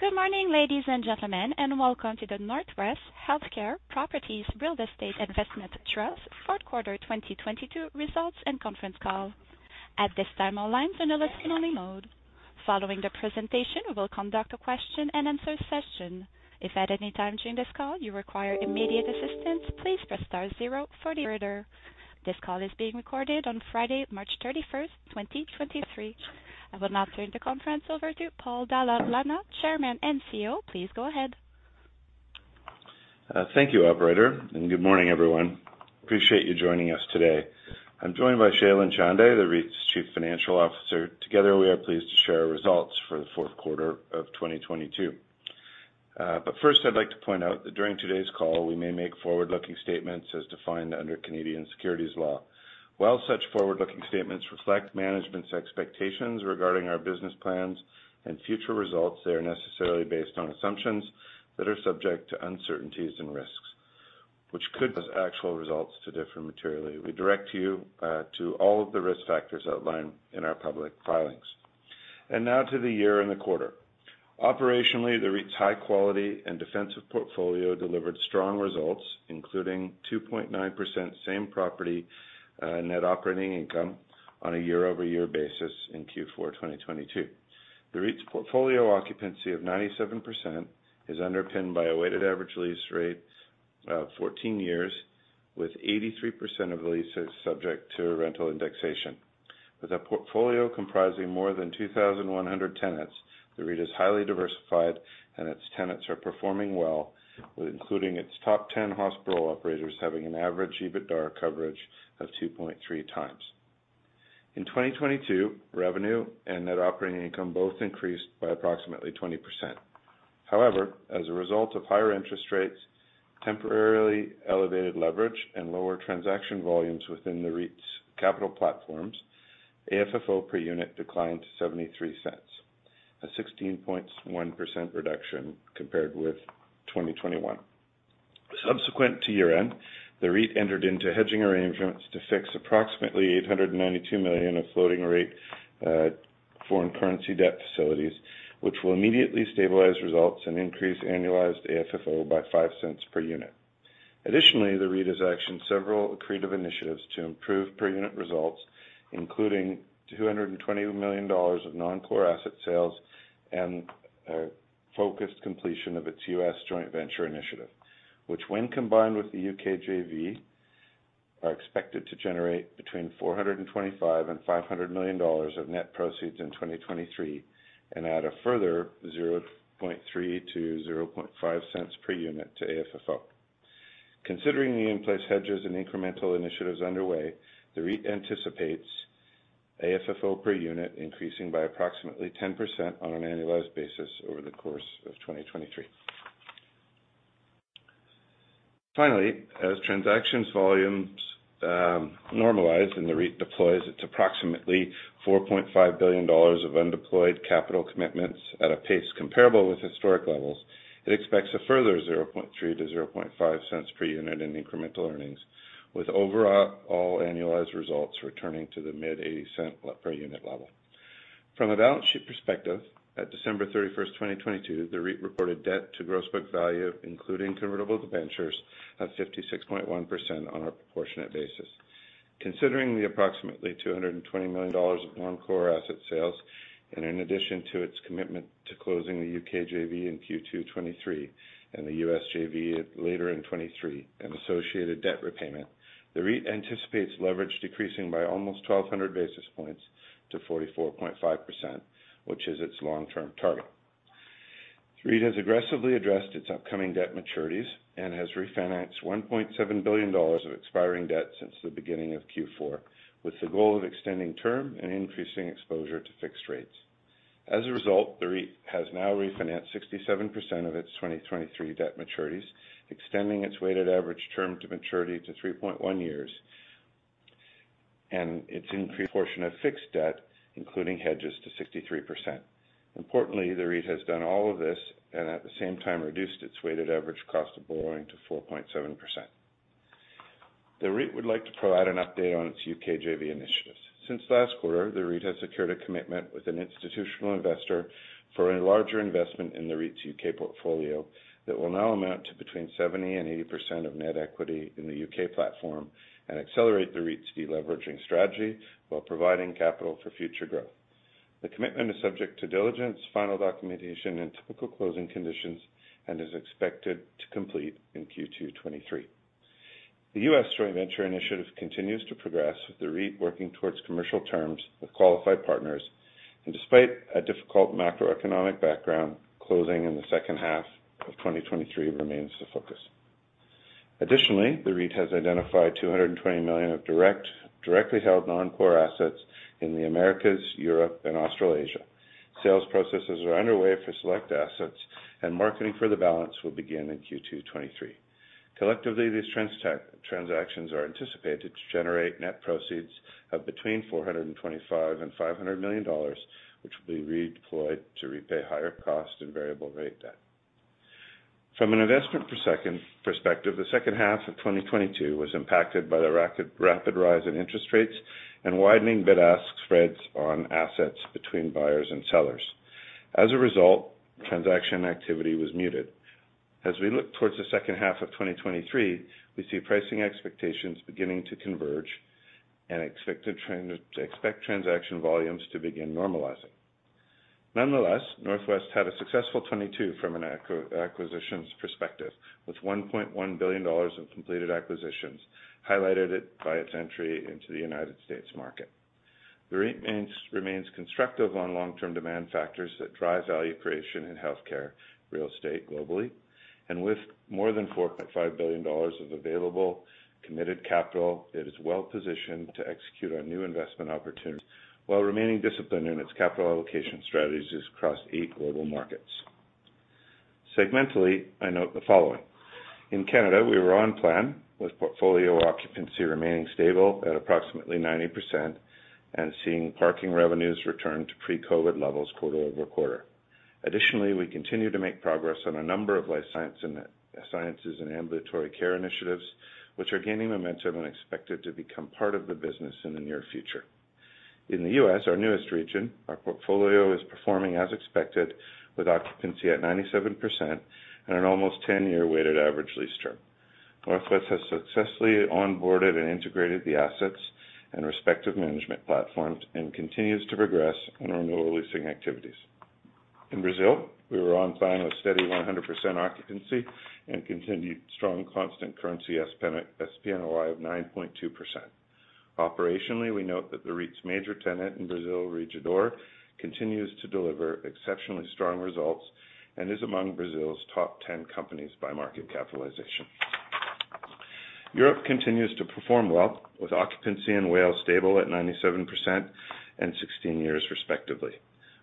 Good morning, ladies and gentlemen, welcome to the NorthWest Healthcare Properties Real Estate Investment Trust fourth quarter 2022 results and conference call. At this time, all lines are now listening mode. Following the presentation, we will conduct a question-and-answer session. If at any time during this call you require immediate assistance, please press star zero for the operator. This call is being recorded on Friday, March 31st, 2023. I will now turn the conference over to Paul Dalla Lana, Chairman and CEO. Please go ahead. Thank you, operator, good morning, everyone. Appreciate you joining us today. I'm joined by Shailen Chande, the REIT's Chief Financial Officer. Together, we are pleased to share our results for the fourth quarter of 2022. First, I'd like to point out that during today's call, we may make forward-looking statements as defined under Canadian securities law. While such forward-looking statements reflect management's expectations regarding our business plans and future results, they are necessarily based on assumptions that are subject to uncertainties and risks, which could cause actual results to differ materially. We direct you to all of the risk factors outlined in our public filings. Now to the year and the quarter. Operationally, the REIT's high quality and defensive portfolio delivered strong results, including 2.9% same property net operating income on a year-over-year basis in Q4 2022. The REIT's portfolio occupancy of 97% is underpinned by a weighted average lease rate of 14 years, with 83% of leases subject to rental indexation. With a portfolio comprising more than 2,100 tenants, the REIT is highly diversified, and its tenants are performing well, with including its top 10 hospital operators having an average EBITDA coverage of 2.3x. In 2022, revenue and net operating income both increased by approximately 20%. As a result of higher interest rates, temporarily elevated leverage, and lower transaction volumes within the REIT's capital platforms, AFFO per unit declined to 0.73, a 16.1% reduction compared with 2021. Subsequent to year-end, the REIT entered into hedging arrangements to fix approximately 892 million of floating-rate foreign currency debt facilities, which will immediately stabilize results and increase annualized AFFO by 0.05 per unit. Additionally, the REIT has actioned several accretive initiatives to improve per unit results, including 220 million dollars of non-core asset sales and a focused completion of its U.S. joint venture initiative, which when combined with the U.K. JV, are expected to generate between 425 million and 500 million dollars of net proceeds in 2023 and add a further 0.03-0.05 per unit to AFFO. Considering the in-place hedges and incremental initiatives underway, the REIT anticipates AFFO per unit increasing by approximately 10% on an annualized basis over the course of 2023. Finally, as transactions volumes normalize and the REIT deploys its approximately 4.5 billion dollars of undeployed capital commitments at a pace comparable with historic levels, it expects a further 0.03-0.05 per unit in incremental earnings, with overall annualized results returning to the mid-CAD 0.80 per unit level. From a balance sheet perspective, at December 31st, 2022, the REIT reported debt to gross book value, including convertible debentures, of 56.1% on a proportionate basis. Considering the approximately 220 million dollars of non-core asset sales, and in addition to its commitment to closing the U.K. JV in Q2 2023 and the US JV later in 2023 and associated debt repayment, the REIT anticipates leverage decreasing by almost 1,200 basis points to 44.5%, which is its long-term target. The REIT has aggressively addressed its upcoming debt maturities and has refinanced 1.7 billion dollars of expiring debt since the beginning of Q4, with the goal of extending term and increasing exposure to fixed rates. As a result, the REIT has now refinanced 67% of its 2023 debt maturities, extending its weighted average term to maturity to 3.1 years, and its increased portion of fixed debt, including hedges, to 63%. Importantly, the REIT has done all of this and at the same time reduced its weighted average cost of borrowing to 4.7%. The REIT would like to provide an update on its U.K. JV initiatives. Since last quarter, the REIT has secured a commitment with an institutional investor for a larger investment in the REIT's U.K. portfolio that will now amount to between 70% and 80% of net equity in the U.K. platform and accelerate the REIT's deleveraging strategy while providing capital for future growth. The commitment is subject to diligence, final documentation, and typical closing conditions and is expected to complete in Q2 2023. The U.S. joint venture initiative continues to progress, with the REIT working towards commercial terms with qualified partners, and despite a difficult macroeconomic background, closing in the second half of 2023 remains the focus. Additionally, the REIT has identified 220 million of directly held non-core assets in the Americas, Europe, and Australasia. Sales processes are underway for select assets, and marketing for the balance will begin in Q2 2023. Collectively, these transactions are anticipated to generate net proceeds of between 425 million and 500 million dollars, which will be redeployed to repay higher cost and variable rate debt. From an investment perspective, the second half of 2022 was impacted by the rapid rise in interest rates and widening bid-ask spreads on assets between buyers and sellers. As a result, transaction activity was muted. As we look towards the second half of 2023, we see pricing expectations beginning to converge and expect transaction volumes to begin normalizing. Nonetheless, Northwest had a successful 2022 from an acquisitions perspective, with 1.1 billion dollars in completed acquisitions, highlighted it by its entry into the United States market. The REIT remains constructive on long-term demand factors that drive value creation in healthcare real estate globally. With more than 4.5 billion dollars of available committed capital, it is well positioned to execute on new investment opportunities while remaining disciplined in its capital allocation strategies across eight global markets. Segmentally, I note the following. In Canada, we were on plan with portfolio occupancy remaining stable at approximately 90% and seeing parking revenues return to pre-COVID levels quarter-over-quarter. We continue to make progress on a number of life sciences and ambulatory care initiatives, which are gaining momentum and expected to become part of the business in the near future. In the U.S., our newest region, our portfolio is performing as expected with occupancy at 97% and an almost 10-year weighted average lease term. NorthWest has successfully onboarded and integrated the assets and respective management platforms, and continues to progress on our new leasing activities. In Brazil, we were on plan with steady 100% occupancy and continued strong constant currency SPNOI of 9.2%. Operationally, we note that the REIT's major tenant in Brazil, Rede D'Or, continues to deliver exceptionally strong results and is among Brazil's top 10 companies by market capitalization. Europe continues to perform well, with occupancy and WALE stable at 97% and 16 years respectively.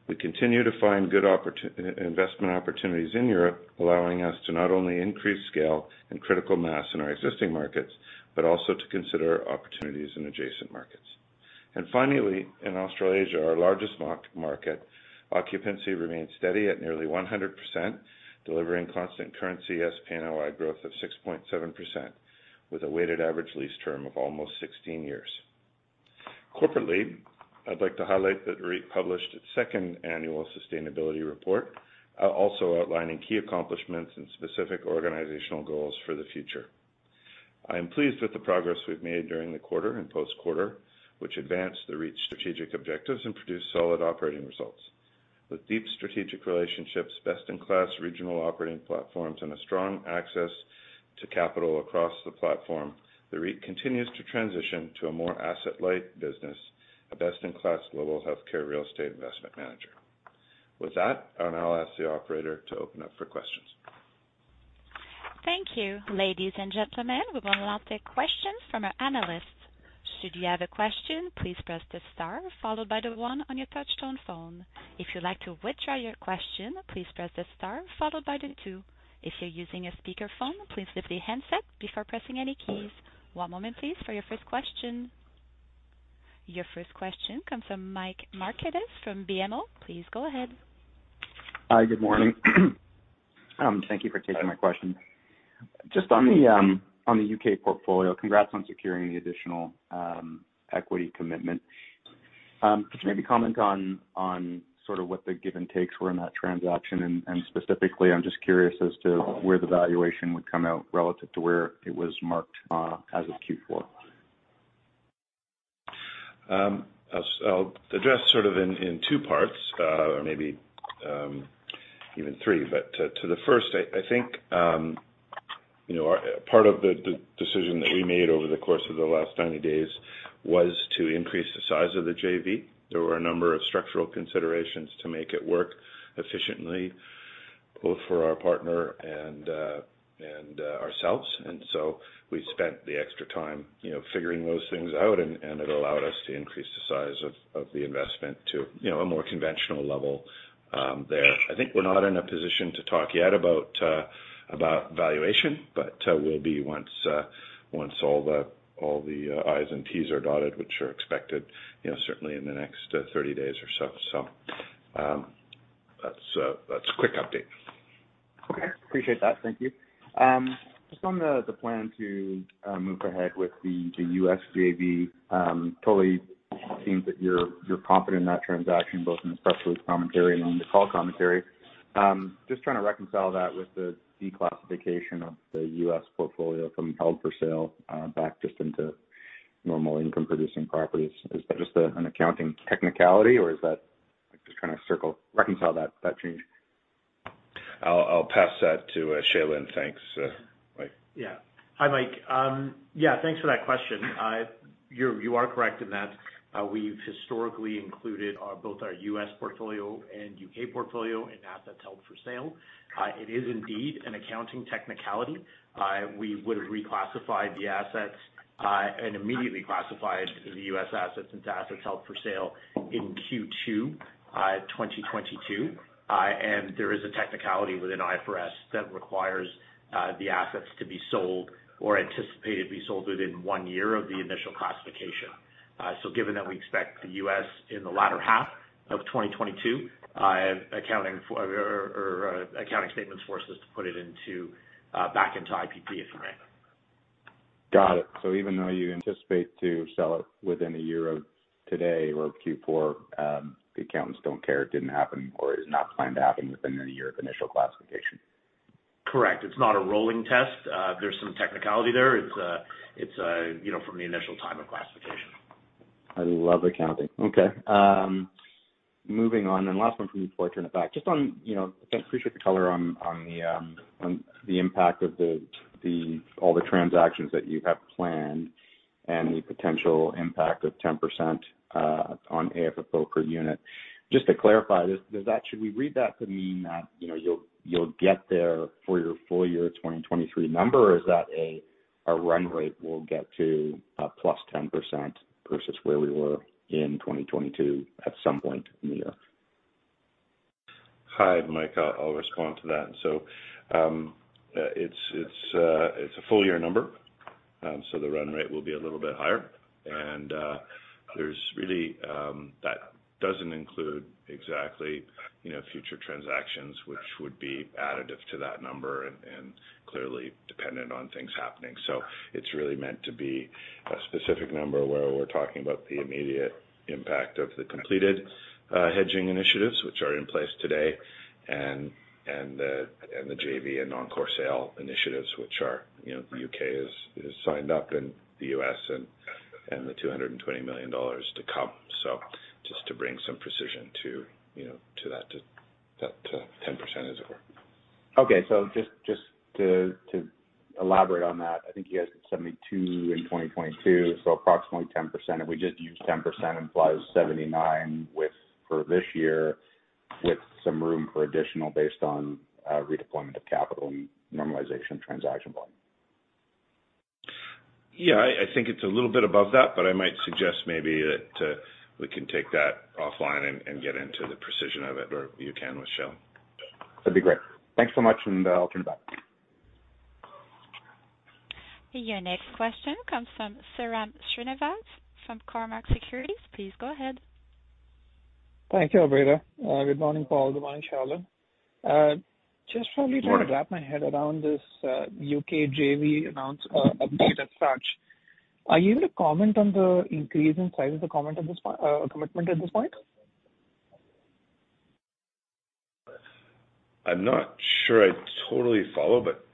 We continue to find good investment opportunities in Europe, allowing us to not only increase scale and critical mass in our existing markets, but also to consider opportunities in adjacent markets. Finally, in Australasia, our largest market, occupancy remains steady at nearly 100%, delivering constant currency SPNOI growth of 6.7% with a weighted average lease term of almost 16 years. Corporately, I'd like to highlight that the REIT published its second annual sustainability report, also outlining key accomplishments and specific organizational goals for the future. I am pleased with the progress we've made during the quarter and post-quarter, which advanced the REIT's strategic objectives and produced solid operating results. With deep strategic relationships, best-in-class regional operating platforms, and a strong access to capital across the platform, the REIT continues to transition to a more asset-light business, a best-in-class global healthcare real estate investment manager. With that, I'll now ask the operator to open up for questions. Thank you. Ladies and gentlemen, we will now take questions from our analysts. Should you have a question, please press the star followed by the one on your touchtone phone. If you'd like to withdraw your question, please press the star followed by the two. If you're using a speakerphone, please lift the handset before pressing any keys. One moment please for your first question. Your first question comes from Mike Markidis from BMO. Please go ahead. Hi, good morning. Thank you for taking my question. Just on the U.K. portfolio, congrats on securing the additional equity commitment. Could you maybe comment on sort of what the give and takes were in that transaction? Specifically, I'm just curious as to where the valuation would come out relative to where it was marked as of Q4. I'll address sort of in two parts, or maybe, even three. To the first, I think, you know, part of the decision that we made over the course of the last 90 days was to increase the size of the JV. There were a number of structural considerations to make it work efficiently, both for our partner and ourselves. We spent the extra time, you know, figuring those things out, and it allowed us to increase the size of the investment to, you know, a more conventional level there. I think we're not in a position to talk yet about valuation, but, we'll be once all the, all the, I's and T's are dotted, which are expected, you know, certainly in the next, 30 days or so. That's, that's a quick update. Okay. Appreciate that. Thank you. Just on the plan to move ahead with the U.S. JV, totally seems that you're confident in that transaction, both in the press release commentary and on the call commentary. Just trying to reconcile that with the declassification of the U.S. portfolio from held for sale back just into normal income-producing properties. Is that just an accounting technicality? Just trying to reconcile that change. I'll pass that to Shailen. Thanks, Mike. Hi, Mike. Thanks for that question. You are correct in that we've historically included both our U.S. portfolio and U.K. portfolio in assets held for sale. It is indeed an accounting technicality. We would have reclassified the assets and immediately classified the U.S. assets into assets held for sale in Q2 2022. There is a technicality within IFRS that requires the assets to be sold or anticipated to be sold within one year of the initial classification. Given that we expect the U.S. in the latter half of 2022, accounting statements force us to put it into back into IPP, if you may. Got it. Even though you anticipate to sell it within a year of today or Q4, the accountants don't care it didn't happen or is not planned to happen within a year of initial classification? Correct. It's not a rolling test. There's some technicality there. It's, you know, from the initial time of classification. I love accounting. Okay. Moving on, last one from me before I turn it back. Just on, you know, again, appreciate the color on the impact of the all the transactions that you have planned and the potential impact of 10% on AFFO per unit. Just to clarify, should we read that to mean that, you know, you'll get there for your full year 2023 number? Or is that a run rate will get to +10% versus where we were in 2022 at some point in the year? Hi, Mike, I'll respond to that. It's a full year number. The run rate will be a little bit higher. There's really that doesn't include exactly, you know, future transactions which would be additive to that number and clearly dependent on things happening. It's really meant to be a specific number where we're talking about the immediate impact of the completed hedging initiatives which are in place today, and the JV and non-core sale initiatives, which are, you know, the U.K. is signed up, and the U.S. and the 220 million dollars to come. Just to bring some precision to, you know, to that, to that 10% as it were. Okay. just to elaborate on that, I think you guys did 72 in 2022, so approximately 10%. If we just use 10% implies 79 for this year, with some room for additional based on redeployment of capital and normalization transaction volume. Yeah, I think it's a little bit above that, but I might suggest maybe that we can take that offline and get into the precision of it, or you can with Shailen. That'd be great. Thanks so much, and I'll turn it back. Your next question comes from Sairam Srinivas from Cormark Securities. Please go ahead. Thank you, Operator. Good morning, Paul. Good morning, Shailen. Morning. Trying to wrap my head around this U.K. JV update as such. Are you able to comment on the increase in size of the commitment at this point? I'm not sure I totally follow, but,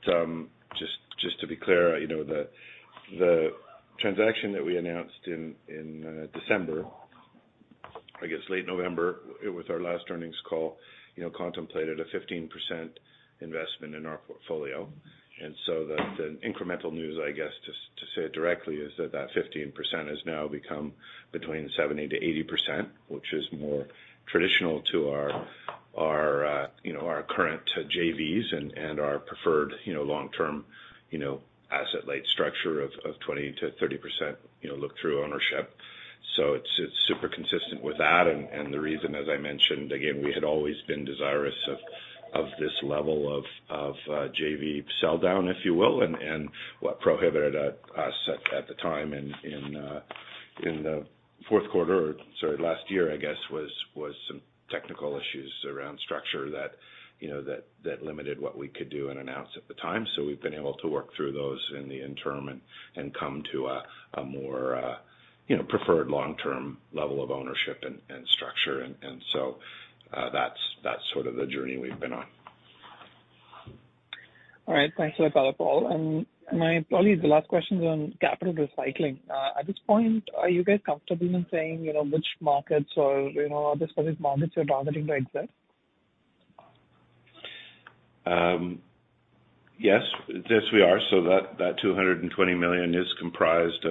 just to be clear, you know, the transaction that we announced in December, I guess late November with our last earnings call, you know, contemplated a 15% investment in our portfolio. The incremental news, I guess, just to say it directly, is that that 15% has now become between 70%-80%, which is more traditional to our current JVs and our preferred, you know, long-term, you know, asset-light structure of 20%-30%, you know, look-through ownership. It's super consistent with that. The reason, as I mentioned again, we had always been desirous of this level of JV sell down, if you will. What prohibited us at the time in the fourth quarter or, sorry, last year, I guess, was some technical issues around structure that, you know, that limited what we could do and announce at the time. We've been able to work through those in the interim and come to a more, you know, preferred long-term level of ownership and structure. That's sort of the journey we've been on. All right. Thanks a lot for that, Paul. My, probably the last question is on capital recycling. At this point, are you guys comfortable in saying, you know, which markets or, you know, are the specific markets you're targeting to exit? Yes. Yes, we are. That 220 million is comprised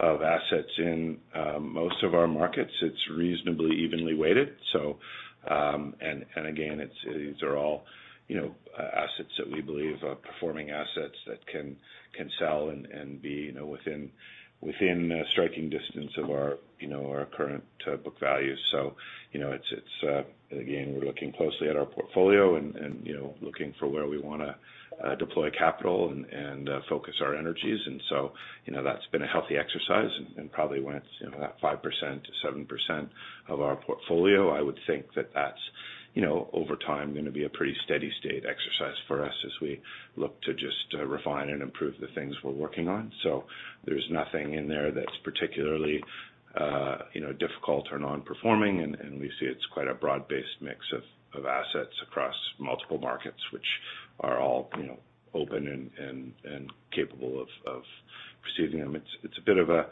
of assets in most of our markets. It's reasonably evenly weighted. Again, these are all, you know, assets that we believe are performing assets that can sell and be, you know, within striking distance of our, you know, our current book values. You know, it's again, we're looking closely at our portfolio and, you know, looking for where we wanna deploy capital and focus our energies. You know, that's been a healthy exercise and probably when it's, you know, that 5%-7% of our portfolio, I would think that that's, you know, over time gonna be a pretty steady state exercise for us as we look to just refine and improve the things we're working on. There's nothing in there that's particularly, you know, difficult or non-performing. We see it's quite a broad-based mix of assets across multiple markets which are all, you know, open and, and capable of receiving them. It's, it's a bit of a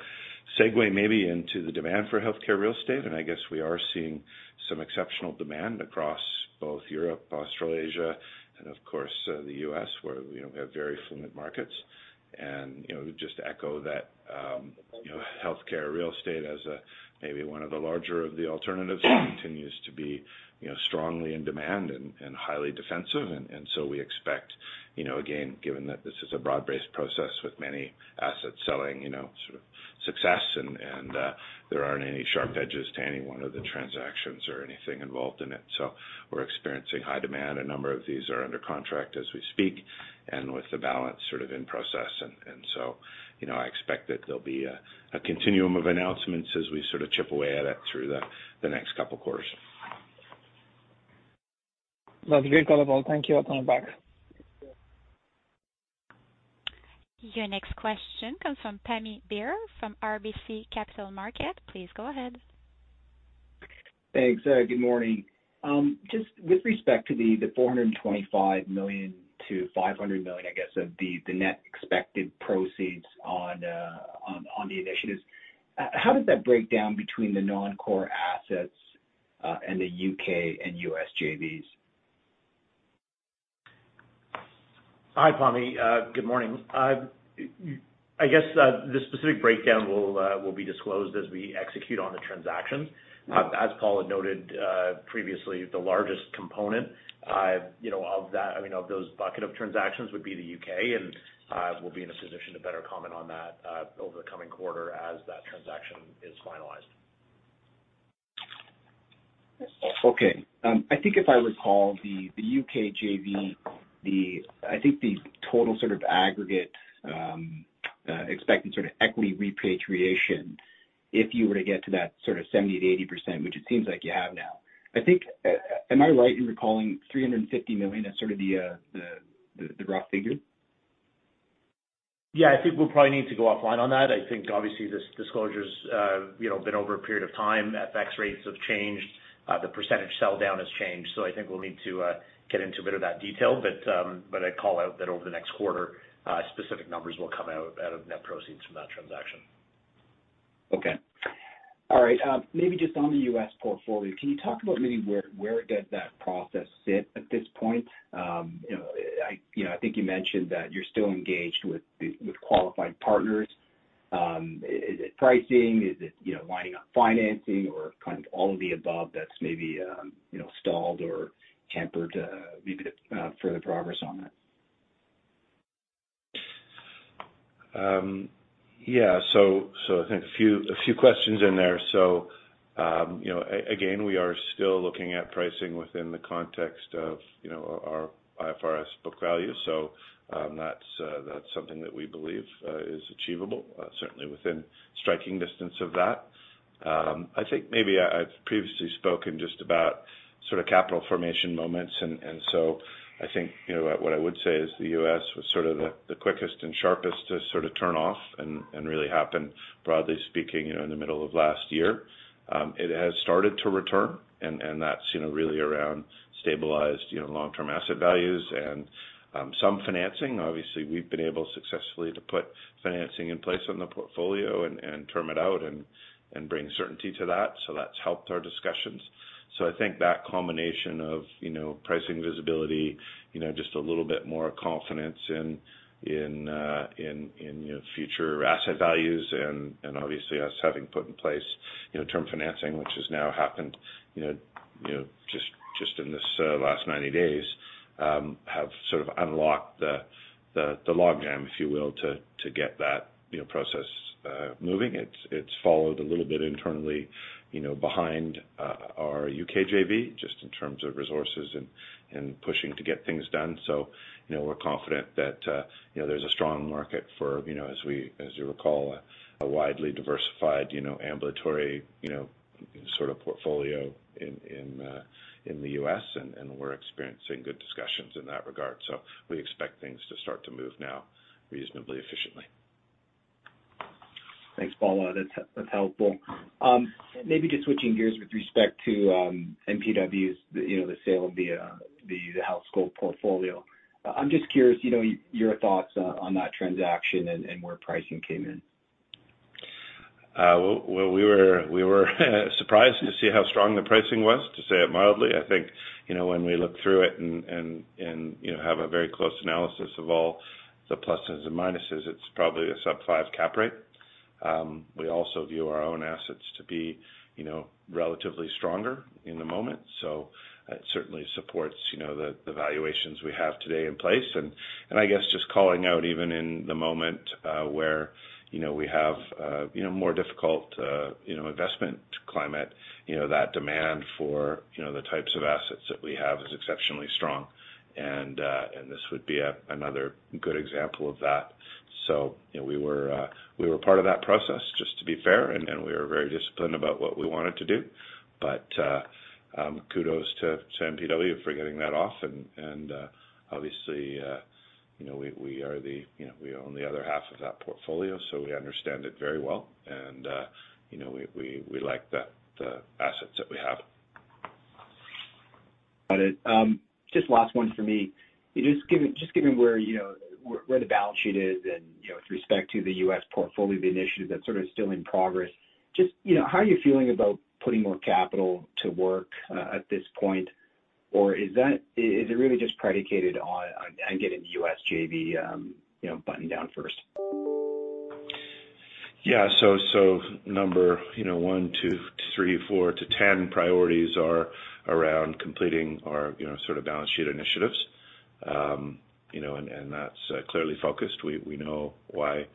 segue maybe into the demand for healthcare real estate, and I guess we are seeing some exceptional demand across both Europe, Australasia and of course, the U.S. where, you know, we have very fluid markets. You know, just to echo that, you know, healthcare real estate as maybe one of the larger of the alternatives continues to be, you know, strongly in demand and highly defensive. So we expect, you know, again, given that this is a broad-based process with many assets selling, you know, sort of success and there aren't any sharp edges to any one of the transactions or anything involved in it. We're experiencing high demand. A number of these are under contract as we speak and with the balance sort of in process. So, you know, I expect that there'll be a continuum of announcements as we sort of chip away at it through the next couple of quarters. That's great, color, Paul. Thank you. I'll turn it back. Your next question comes from Pammi Bir from RBC Capital Markets. Please go ahead. Thanks. Good morning. Just with respect to the 425 million-500 million, I guess, of the net expected proceeds on, on the initiatives, how does that break down between the non-core assets, and the U.K. and U.S. JVs? Hi, Pammi. Good morning. I guess, the specific breakdown will be disclosed as we execute on the transactions. As Paul had noted, previously, the largest component, you know, of that, I mean, of those bucket of transactions would be the U.K.. We'll be in a position to better comment on that, over the coming quarter as that transaction is finalized. Okay. I think if I recall, the U.K. JV, the total sort of aggregate, expected sort of equity repatriation if you were to get to that sort of 70%-80%, which it seems like you have now. I think, am I right in recalling 350 million as sort of the rough figure? Yeah. I think we'll probably need to go offline on that. I think obviously this disclosure's, you know, been over a period of time. FX rates have changed. The % sell down has changed. I think we'll need to get into a bit of that detail. I'd call out that over the next quarter, specific numbers will come out of net proceeds from that transaction. Okay. All right, maybe just on the U.S. portfolio, can you talk about maybe where does that process sit at this point? You know, I, you know, I think you mentioned that you're still engaged with qualified partners. Is it pricing? Is it, you know, lining up financing or kind of all of the above that's maybe, you know, stalled or hampered, maybe the further progress on that? Yeah. I think a few questions in there. You know, again, we are still looking at pricing within the context of, you know, our IFRS book value. That's something that we believe is achievable, certainly within striking distance of that. I think maybe I've previously spoken just about sort of capital formation moments, and so I think, you know, what I would say is the U.S. was sort of the quickest and sharpest to sort of turn off and really happen, broadly speaking, you know, in the middle of last year. It has started to return and that's, you know, really around stabilized, you know, long-term asset values and some financing. Obviously, we've been able successfully to put financing in place on the portfolio and term it out and bring certainty to that. That's helped our discussions. I think that combination of, you know, pricing visibility, you know, just a little bit more confidence in, you know, future asset values and obviously us having put in place, you know, term financing, which has now happened, you know, just in this last 90 days, have sort of unlocked the logjam, if you will, to get that, you know, process moving. It's followed a little bit internally, you know, behind our U.K. JV, just in terms of resources and pushing to get things done. You know, we're confident that, you know, there's a strong market for, you know, as you recall, a widely diversified, you know, ambulatory, you know, sort of portfolio in the U.S., and we're experiencing good discussions in that regard. We expect things to start to move now reasonably efficiently. Thanks, Paul. That's helpful. Maybe just switching gears with respect to MPW's, you know, the sale of the Healthscope portfolio. I'm just curious, you know, your thoughts on that transaction and where pricing came in? Well, we were surprised to see how strong the pricing was, to say it mildly. I think, you know, when we look through it and, you know, have a very close analysis of all the pluses and minuses, it's probably a sub 5 cap rate. We also view our own assets to be, you know, relatively stronger in the moment. It certainly supports, you know, the valuations we have today in place. I guess, just calling out even in the moment, where, you know, we have, you know, more difficult, you know, investment climate, you know, that demand for, you know, the types of assets that we have is exceptionally strong. This would be another good example of that. You know, we were part of that process, just to be fair, and we were very disciplined about what we wanted to do. Kudos to MPW for getting that off and, obviously, you know, we are the, you know, we own the other half of that portfolio, so we understand it very well. You know, we like the assets that we have. Got it. Just last one for me. Just given where, you know, where the balance sheet is and, you know, with respect to the U.S. portfolio, the initiative that's sort of still in progress, just, you know, how are you feeling about putting more capital to work at this point? Or is it really just predicated on getting the U.S. JV, you know, buttoned down first? Yeah. So number, you know, one-three, four-10 priorities are around completing our, you know, sort of balance sheet initiatives. You know, and that's clearly focused. We know why, you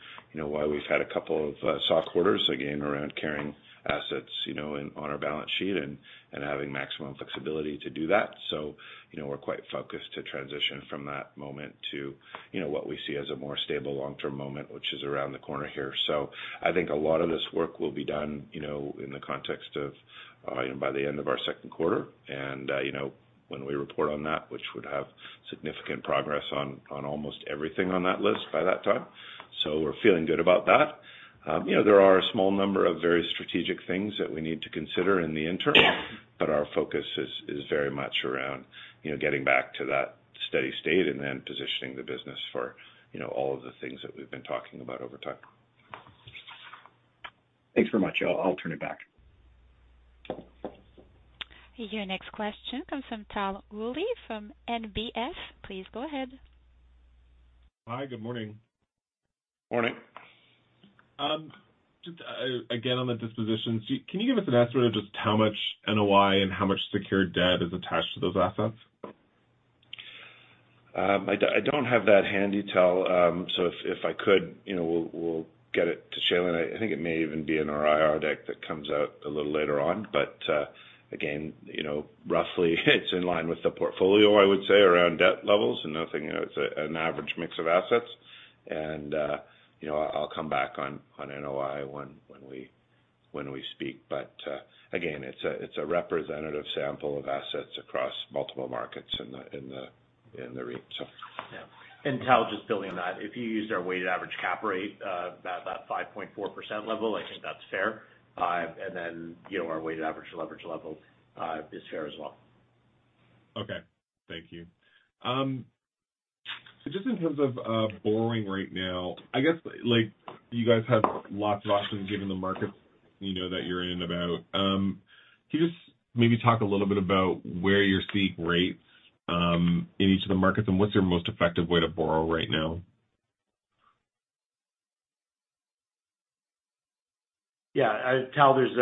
know, why we've had a couple of soft quarters, again, around carrying assets, you know, on our balance sheet and having maximum flexibility to do that. You know, we're quite focused to transition from that moment to, you know, what we see as a more stable long-term moment, which is around the corner here. I think a lot of this work will be done, you know, in the context of, you know, by the end of our second quarter. You know, when we report on that, which would have significant progress on almost everything on that list by that time. We're feeling good about that. you know, there are a small number of very strategic things that we need to consider in the interim, but our focus is very much around, you know, getting back to that steady state and then positioning the business for, you know, all of the things that we've been talking about over time. Thanks very much. I'll turn it back. Your next question comes from Tal Woolley from NBF. Please go ahead. Hi. Good morning. Morning. Just again, on the dispositions, can you give us an estimate of just how much NOI and how much secured debt is attached to those assets? I don't have that handy, Tal. If I could, you know, we'll get it to Shailen. I think it may even be in our IR deck that comes out a little later on. Again, you know, roughly it's in line with the portfolio, I would say, around debt levels and nothing... You know, it's an average mix of assets. You know, I'll come back on NOI when we speak. Again, it's a representative sample of assets across multiple markets in the REIT, so. Yeah. Tal, just building on that, if you used our weighted average cap rate, about that 5.4% level, I think that's fair. you know, our weighted average leverage level is fair as well. Okay. Thank you. Just in terms of borrowing right now, I guess, like, you guys have lots of options given the markets, you know, that you're in about. Can you just maybe talk a little bit about where you're seeing rates in each of the markets, and what's your most effective way to borrow right now? Yeah. Tal, there's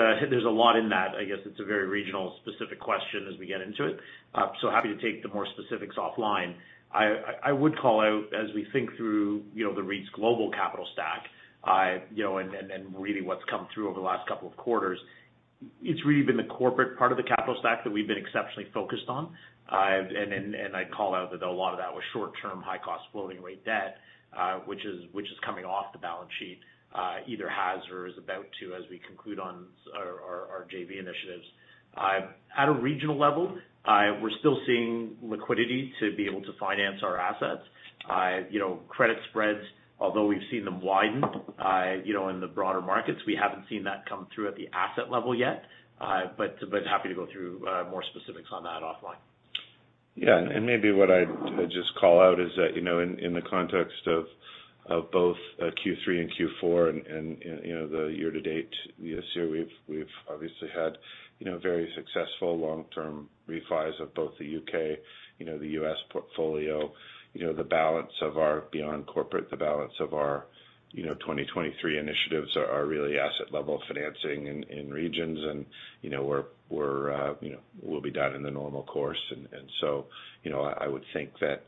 a lot in that. I guess it's a very regional specific question as we get into it. Happy to take the more specifics offline. I would call out as we think through, you know, the REIT's global capital stack, you know, and really what's come through over the last couple of quarters, it's really been the corporate part of the capital stack that we've been exceptionally focused on. And I'd call out that a lot of that was short-term, high-cost floating rate debt, which is coming off the balance sheet, either has or is about to, as we conclude on our JV initiatives. At a regional level, we're still seeing liquidity to be able to finance our assets. You know, credit spreads, although we've seen them widen, you know, in the broader markets, we haven't seen that come through at the asset level yet. But happy to go through, more specifics on that offline. Yeah. Maybe what I'd just call out is that, you know, in the context of both, Q3 and Q4 and, you know, the year to date this year, we've obviously had, you know, very successful long-term refis of both the U.K., you know, the U.S. portfolio. You know, the balance of our beyond corporate, the balance of our, you know, 2023 initiatives are really asset level financing in regions. You know, we're, you know, we'll be done in the normal course. You know, I would think that,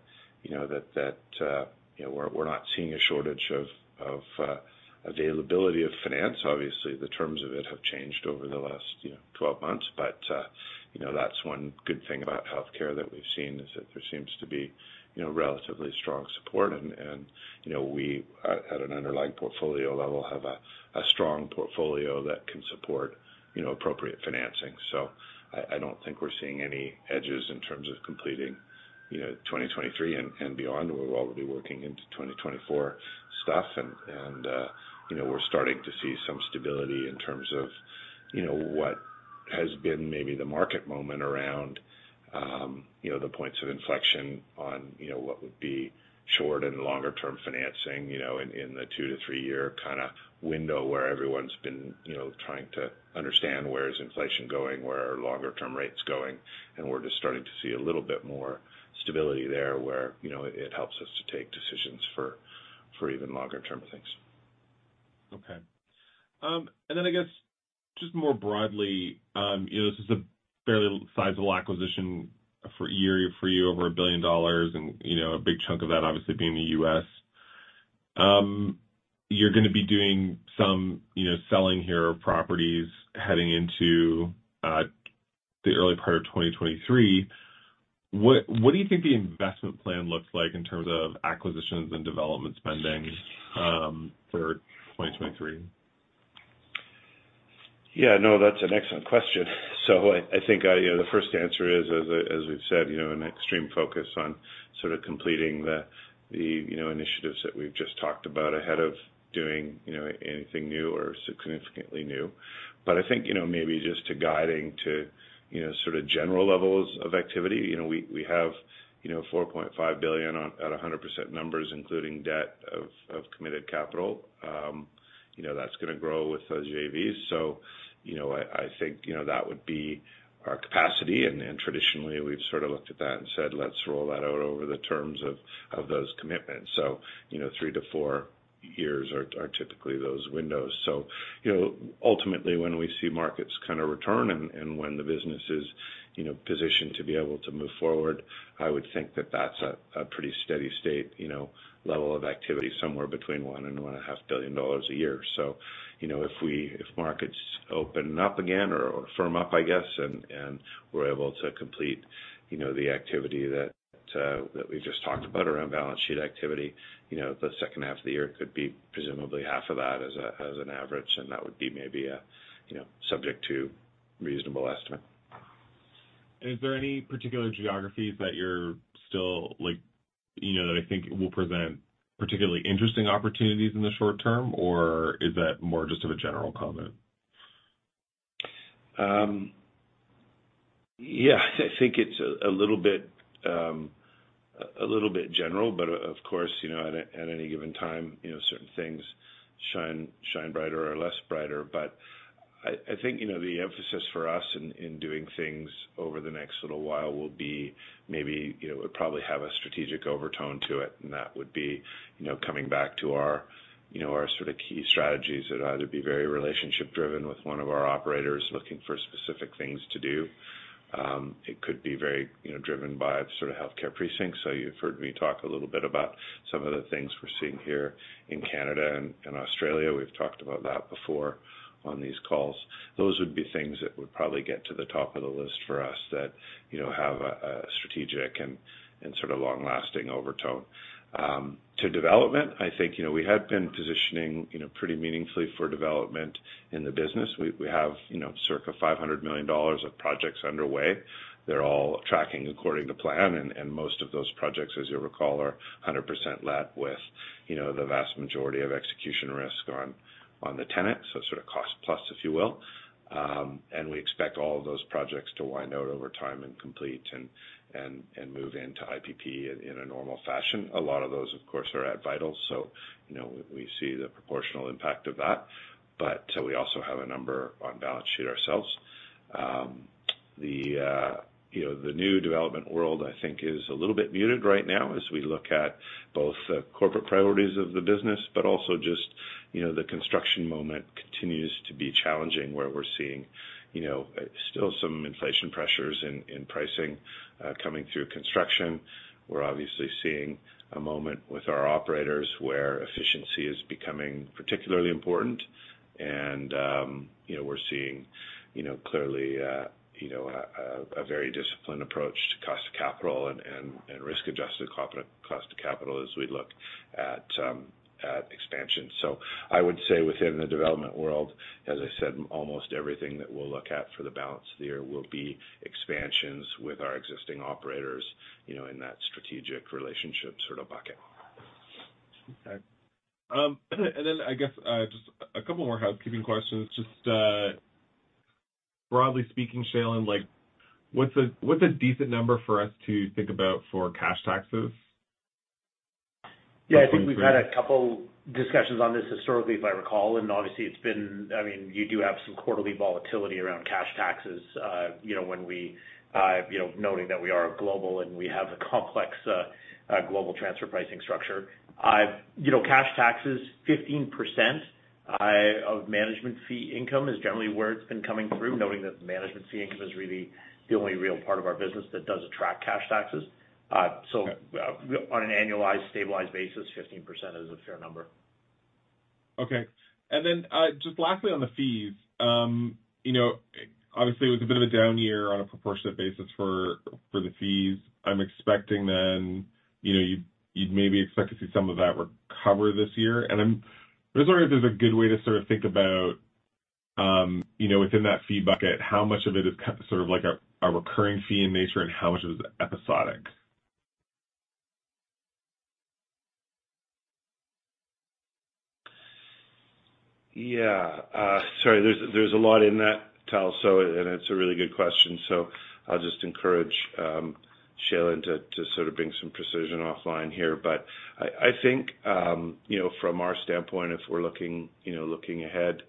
you know, that, you know, we're not seeing a shortage of, availability of finance. Obviously, the terms of it have changed over the last, you know, 12 months. You know, that's one good thing about healthcare that we've seen is that there seems to be, you know, relatively strong support. You know, we at an underlying portfolio level, have a strong portfolio that can support, you know, appropriate financing. I don't think we're seeing any hedges in terms of completing, you know, 2023 and beyond. We'll all be working into 2024 stuff. You know, we're starting to see some stability in terms of, you know, what has been maybe the market moment around, you know, the points of inflection on, you know, what would be short and longer term financing, you know, in the two-three year kind of window where everyone's been, you know, trying to understand where is inflation going, where are longer term rates going. We're just starting to see a little bit more stability there where, you know, it helps us to take decisions for even longer term things. Okay. I guess just more broadly, you know, this is a fairly sizable acquisition for a year for you, over 1 billion dollars, you know, a big chunk of that obviously being the U.S. You're gonna be doing some, you know, selling here of properties heading into the early part of 2023. What do you think the investment plan looks like in terms of acquisitions and development spending for 2023? No, that's an excellent question. I think, you know, the first answer is, as we've said, you know, an extreme focus on sort of completing the, you know, initiatives that we've just talked about ahead of doing, you know, anything new or significantly new. I think, you know, maybe just to guiding to, you know, sort of general levels of activity. You know, we have, you know, 4.5 billion at 100% numbers, including debt of committed capital. You know, that's gonna grow with those JVs. You know, I think, you know, that would be our capacity. Traditionally we've sort of looked at that and said, "Let's roll that out over the terms of those commitments." You know, three-four years are typically those windows. You know, ultimately, when we see markets kind of return and when the business is positioned to be able to move forward. I would think that that's a pretty steady state, you know, level of activity, somewhere between 1 billion-1.5 billion dollars a year. You know, if markets open up again or firm up, I guess, and we're able to complete, you know, the activity that we just talked about around balance sheet activity, you know, the second half of the year could be presumably half of that as an average, and that would be maybe a, you know, subject to reasonable estimate. Is there any particular geographies that you're still like, you know, that I think will present particularly interesting opportunities in the short term, or is that more just of a general comment? Yeah, I think it's a little bit a little bit general, but of course, at any given time, certain things shine brighter or less brighter. I think the emphasis for us in doing things over the next little while will be maybe it would probably have a strategic overtone to it, and that would be coming back to our sort of key strategies that either be very relationship driven with one of our operators looking for specific things to do. It could be very driven by sort of healthcare precincts. You've heard me talk a little bit about some of the things we're seeing here in Canada and Australia. We've talked about that before on these calls. Those would be things that would probably get to the top of the list for us that, you know, have a strategic and sort of long-lasting overtone. To development, I think, you know, we have been positioning, you know, pretty meaningfully for development in the business. We have, you know, circa 500 million dollars of projects underway. They're all tracking according to plan, and most of those projects, as you'll recall, are 100% let with, you know, the vast majority of execution risk on the tenant, so sort of cost plus, if you will. We expect all of those projects to wind out over time and complete and move into IPP in a normal fashion. A lot of those, of course, are at Vital, so, you know, we see the proportional impact of that. We also have a number on balance sheet ourselves. The, you know, the new development world, I think, is a little bit muted right now as we look at both the corporate priorities of the business, but also just, you know, the construction moment continues to be challenging, where we're seeing, you know, still some inflation pressures in pricing coming through construction. We're obviously seeing a moment with our operators where efficiency is becoming particularly important. We're seeing, you know, clearly, a very disciplined approach to cost of capital and risk-adjusted cost of capital as we look at expansion. I would say within the development world, as I said, almost everything that we'll look at for the balance there will be expansions with our existing operators, you know, in that strategic relationship sort of bucket. Okay. I guess, just a couple more housekeeping questions. Just, broadly speaking, Shailen, like what's a decent number for us to think about for cash taxes? Yeah, I think we've had a couple discussions on this historically, if I recall. Obviously it's been I mean, you do have some quarterly volatility around cash taxes, you know, when we, you know, noting that we are a global and we have a complex global transfer pricing structure. You know, cash taxes, 15% of management fee income is generally where it's been coming through, knowing that the management fee income is really the only real part of our business that does attract cash taxes. On an annualized stabilized basis, 15% is a fair number. Okay. Just lastly, on the fees, you know, obviously, it was a bit of a down year on a proportionate basis for the fees. I'm expecting then, you know, you'd maybe expect to see some of that recover this year. I'm just wondering if there's a good way to sort of think about, you know, within that fee bucket, how much of it is sort of like a recurring fee in nature, and how much of it is episodic? Yeah. Sorry, there's a lot in that, Tal, it's a really good question. I'll just encourage Shailen to sort of bring some precision offline here. I think, you know, from our standpoint, if we're looking, you know, looking ahead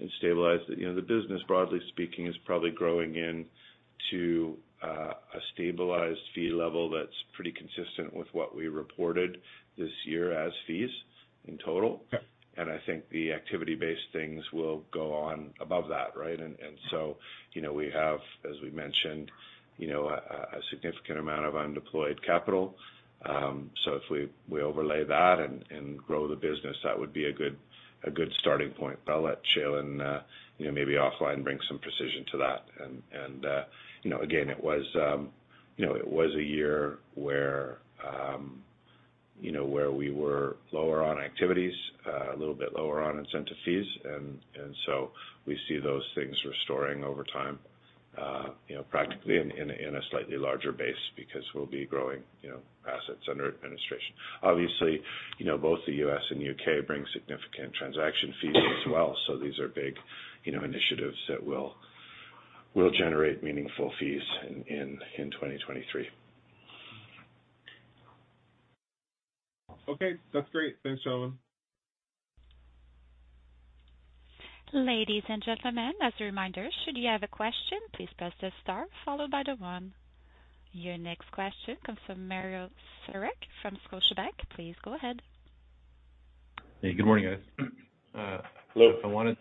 and stabilize, you know, the business, broadly speaking, is probably growing into a stabilized fee level that's pretty consistent with what we reported this year as fees in total. Yeah. I think the activity-based things will go on above that, right? So, you know, we have, as we mentioned, you know, a significant amount of undeployed capital. So if we overlay that and grow the business, that would be a good starting point. I'll let Shailen, you know, maybe offline bring some precision to that. You know, again, it was, you know, it was a year where, you know, where we were lower on activities, a little bit lower on incentive fees. So we see those things restoring over time, you know, practically in a slightly larger base because we'll be growing, you know, assets under administration. Obviously, you know, both the US and UK bring significant transaction fees as well. These are big, you know, initiatives that will generate meaningful fees in 2023. Okay, that's great. Thanks, Shailen. Ladies and gentlemen, as a reminder, should you have a question, please press star followed by the one. Your next question comes from Mario Saric from Scotiabank. Please go ahead. Hey, good morning, guys. Hello.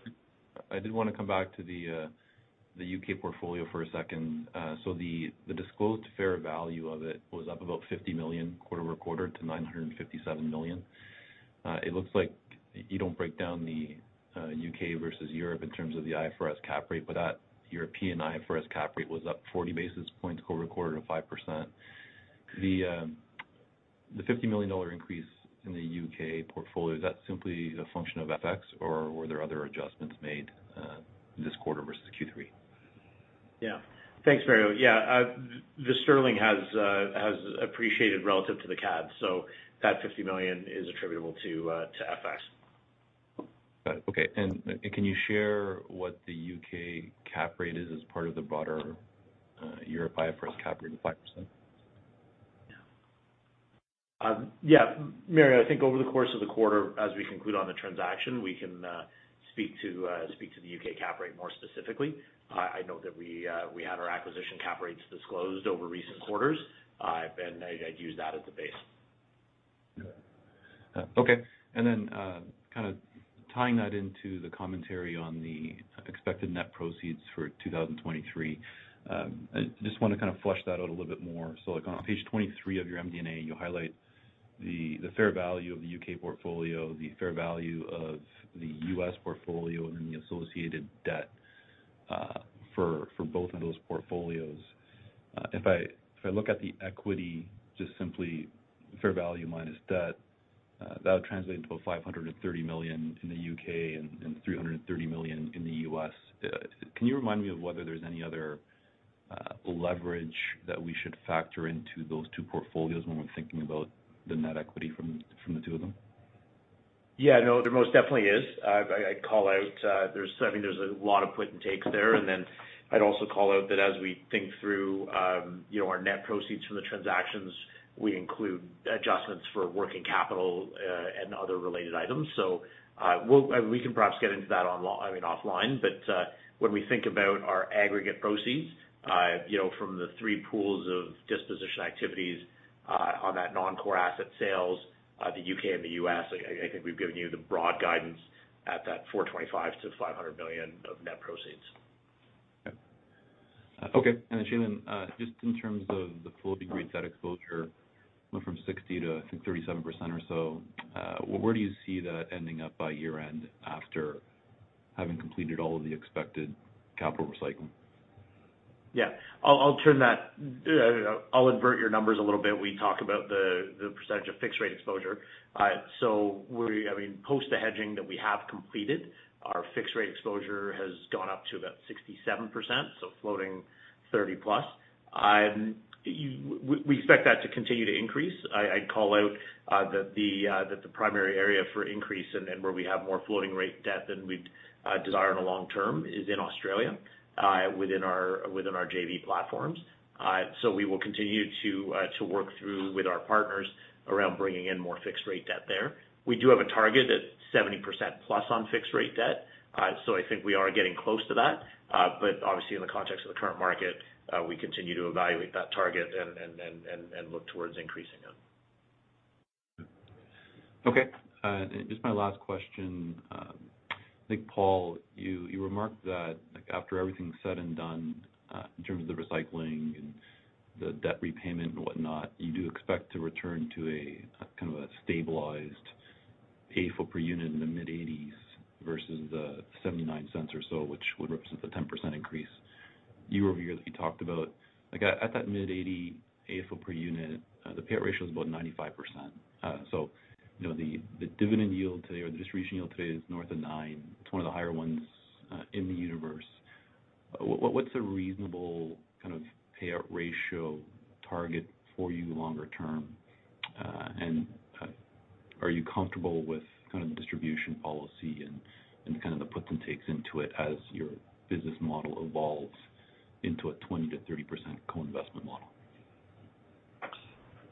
I did wanna come back to the U.K. portfolio for a second. The disclosed fair value of it was up about 50 million quarter-over-quarter to 957 million. It looks like you don't break down the U.K. versus Europe in terms of the IFRS cap rate, but that European IFRS cap rate was up 40 basis points quarter-over-quarter to 5%. The 50 million dollar increase in the UK portfolio, is that simply a function of FX or were there other adjustments made this quarter versus Q3? Yeah. Thanks, Mario. Yeah. The sterling has appreciated relative to the CAD, so that 50 million is attributable to FX. Got it. Okay. can you share what the U.K. cap rate is as part of the broader Europe IFRS cap rate of 5%? Yeah, Mario, I think over the course of the quarter, as we conclude on the transaction, we can speak to the U.K. cap rate more specifically. I know that we had our acquisition cap rates disclosed over recent quarters. I'd use that as the base. Okay. Tying that into the commentary on the expected net proceeds for 2023, I just want to kind of flush that out a little bit more. Like on page 23 of your MD&A, you highlight the fair value of the U.K. portfolio, the fair value of the U.S. portfolio, and the associated debt for both of those portfolios. If I look at the equity, just simply fair value minus debt, that would translate into 530 million in the U.K. and 330 million in the U.S. Can you remind me of whether there's any other leverage that we should factor into those two portfolios when we're thinking about the net equity from the two of them? Yeah. No, there most definitely is. I'd call out, I mean, there's a lot of puts and takes there. I'd also call out that as we think through, you know, our net proceeds from the transactions, we include adjustments for working capital and other related items. We can perhaps get into that, I mean, offline. When we think about our aggregate proceeds, you know, from the three pools of disposition activities, on that non-core asset sales, the U.K. and the U.S., I think we've given you the broad guidance at that 425 million-500 million of net proceeds. Okay. Shailen, just in terms of the floating rates at exposure went from 60% to, I think, 37% or so, where do you see that ending up by year-end after having completed all of the expected capital recycling? Yeah. I'll turn that, I'll invert your numbers a little bit. We talk about the percentage of fixed rate exposure. I mean, post the hedging that we have completed, our fixed rate exposure has gone up to about 67%, so floating 30+. We expect that to continue to increase. I'd call out that the primary area for increase and then where we have more floating rate debt than we'd desire in the long term is in Australia, within our, within our JV platforms. We will continue to work through with our partners around bringing in more fixed rate debt there. We do have a target at 70%+ on fixed rate debt. I think we are getting close to that. Obviously in the context of the current market, we continue to evaluate that target and look towards increasing it. Okay. Just my last question. I think, Paul, you remarked that after everything is said and done, in terms of the recycling and the debt repayment and whatnot, you do expect to return to a, kind of a stabilized AFFO per unit in the mid-80s versus the 0.79 or so, which would represent the 10% increase year-over-year that you talked about. Like, at that mid-80 AFFO per unit, the payout ratio is about 95%. You know, the dividend yield today or the distribution yield today is north of nine. It's one of the higher ones in the universe. What's a reasonable kind of payout ratio target for you longer term? Are you comfortable with kind of the distribution policy and kind of the puts and takes into it as your business model evolves into a 20%-30% co-investment model?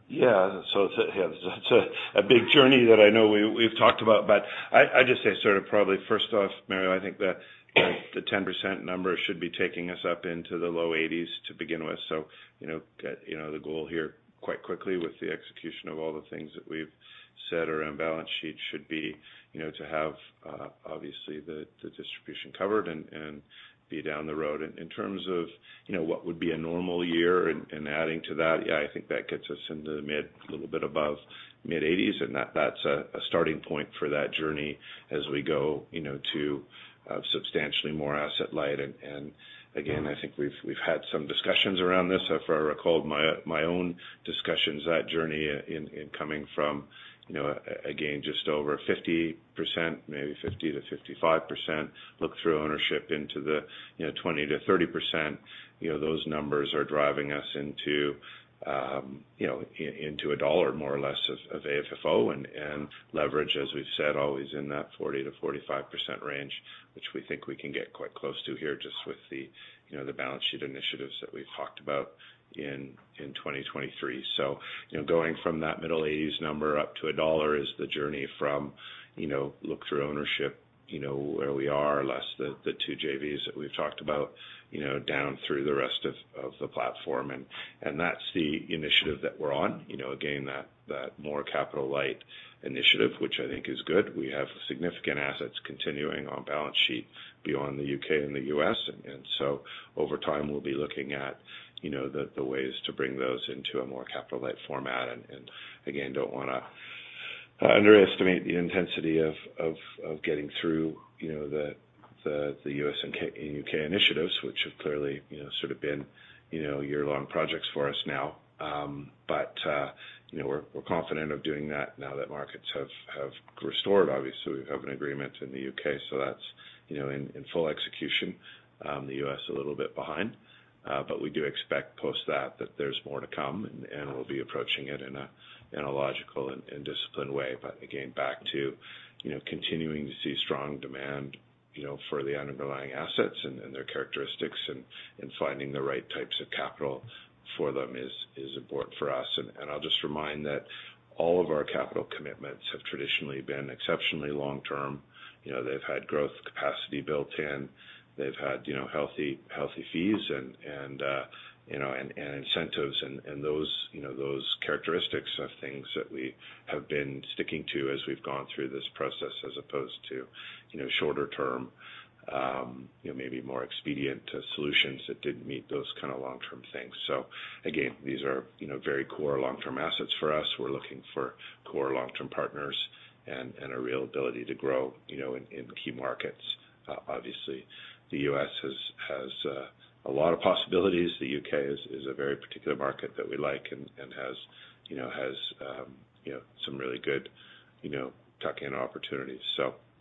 Yeah. It's a big journey that I know we've talked about. I just say sort of probably first off, Mario, I think that the 10% number should be taking us up into the low 80s to begin with. You know, the goal here quite quickly with the execution of all the things that we've said around balance sheet should be, you know, to have obviously the distribution covered and be down the road. In terms of, you know, what would be a normal year and adding to that, yeah, I think that gets us into the mid, a little bit above mid-80s, and that's a starting point for that journey as we go, you know, to substantially more asset light. Again, I think we've had some discussions around this. If I recall my own discussions, that journey, in coming from, you know, again, just over 50%, maybe 50%-55% look-through ownership into the, you know, 20%-30%, you know, those numbers are driving us into, you know, into a dollar more or less of AFFO. Leverage, as we've said, always in that 40%-45% range, which we think we can get quite close to here just with the, you know, the balance sheet initiatives that we've talked about in 2023. You know, going from that middle 80s number up to CAD 1 is the journey from, you know, look through ownership, you know, where we are, less the 2 JVs that we've talked about, you know, down through the rest of the platform. That's the initiative that we're on. You know, again, that more capital light initiative, which I think is good. We have significant assets continuing on balance sheet beyond the U.K. and the U.S. Over time, we'll be looking at, you know, the ways to bring those into a more capital light format. Again, don't wanna underestimate the intensity of getting through, you know, the U.S. and U.K. initiatives, which have clearly, you know, sort of been, you know, year-long projects for us now. You know, we're confident of doing that now that markets have restored. Obviously, we have an agreement in the U.K., that's in full execution. The U.S. a little bit behind, we do expect post that there's more to come, and we'll be approaching it in a logical and disciplined way. Again, back to, you know, continuing to see strong demand, you know, for the underlying assets and their characteristics and finding the right types of capital for them is important for us. I'll just remind that all of our capital commitments have traditionally been exceptionally long term. You know, they've had growth capacity built in. They've had, you know, healthy fees and, you know, incentives and, you know, characteristics are things that we have been sticking to as we've gone through this process as opposed to, you know, shorter term, you know, maybe more expedient solutions that didn't meet those kind of long-term things. Again, these are, you know, very core long-term assets for us. We're looking for core long-term partners and a real ability to grow, you know, in key markets. Obviously the U.S. has, you know, a lot of possibilities. The U.K. is a very particular market that we like and has, you know, some really good, you know, tuck-in opportunities.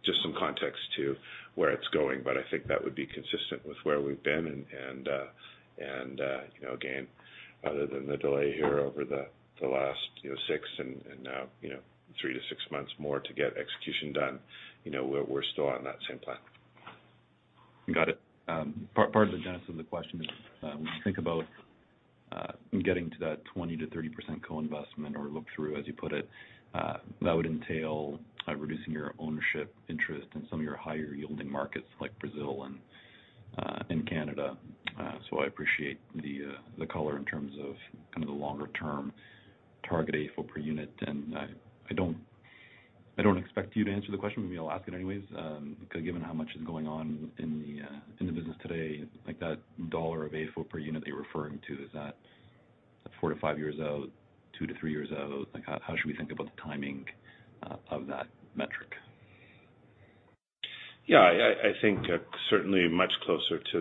Just some context to where it's going, but I think that would be consistent with where we've been. You know, again, other than the delay here over the last, you know, six and now, you know, three-six months more to get execution done, you know, we're still on that same plan. Got it. Part of the genesis of the question is when you think about getting to that 20%-30% co-investment or look through, as you put it, that would entail reducing your ownership interest in some of your higher yielding markets like Brazil and Canada. I appreciate the color in terms of kind of the longer term target AFFO per unit. I don't expect you to answer the question, but maybe I'll ask it anyways, 'cause given how much is going on in the business today, like that CAD 1 of AFFO per unit that you're referring to, is that four-five years out? two-three years out? Like how should we think about the timing of that metric? Yeah, I think certainly much closer to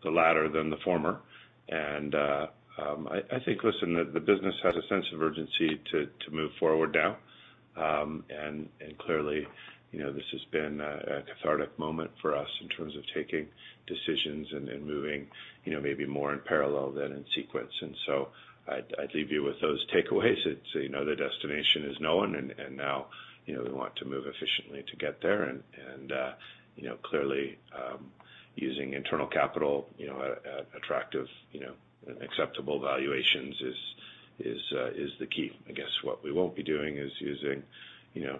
the latter than the former. I think, listen, the business has a sense of urgency to move forward now. Clearly, you know, this has been a cathartic moment for us in terms of taking decisions and moving, you know, maybe more in parallel than in sequence. So I'd leave you with those takeaways. You know, the destination is known and now, you know, we want to move efficiently to get there and, you know, clearly, using internal capital, you know, at attractive, you know, acceptable valuations is the key. I guess what we won't be doing is using, you know,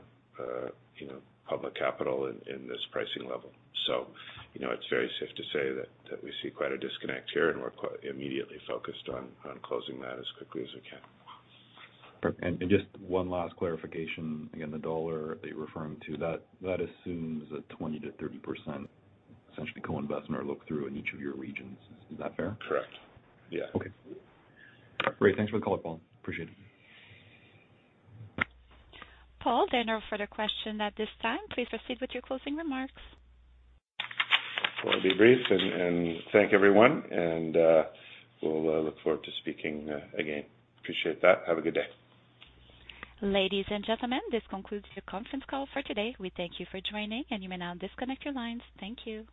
public capital in this pricing level. You know, it's very safe to say that we see quite a disconnect here, and we're immediately focused on closing that as quickly as we can. Just one last clarification. Again, the dollar that you're referring to, that assumes a 20%-30% essentially co-investment or look through in each of your regions. Is that fair? Correct. Yeah. Okay. Great. Thanks for the call, Paul. Appreciate it. Paul, there are no further questions at this time. Please proceed with your closing remarks. I'll be brief and thank everyone and we'll look forward to speaking again. Appreciate that. Have a good day. Ladies and gentlemen, this concludes your conference call for today. We thank you for joining. You may now disconnect your lines. Thank you.